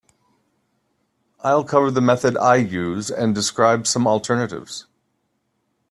I'll cover the method I use and describe some alternatives.